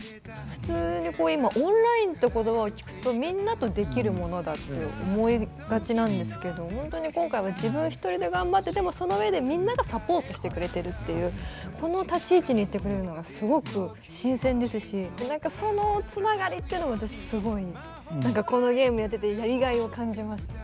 普通にこう今オンラインって言葉を聞くとみんなとできるものだって思いがちなんですけどほんとに今回は自分一人で頑張ってでもそのうえでみんながサポートしてくれてるっていうこの立ち位置にいてくれるのがすごく新鮮ですし何かその繋がりっていうのも私すごい何かこのゲームやっててやりがいを感じました。